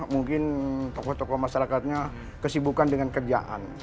mungkin tokoh tokoh masyarakatnya kesibukan dengan kerjaan